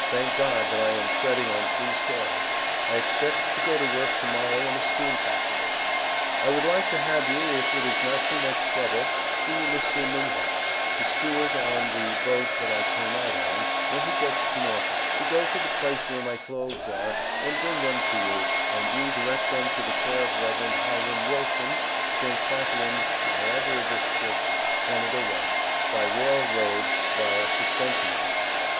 Thank God that I am treading on free soil. I expect to go to work to morrow in a steam factory. I would like to have you, if it is not too much trouble, see Mr. Minhett, the steward on the boat that I came out on, when he gets to Norfolk, to go to the place where my clothes are, and bring them to you, and you direct them to the care of Rev. Hiram Wilson, St. Catharines, Niagara District, Canada West, by rail road via Suspension Bridge.